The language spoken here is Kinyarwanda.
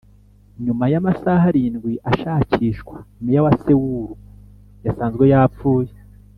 nyuma y’amasaha arindwi ashakishwa, meya wa seoul ysanzwe yapfuye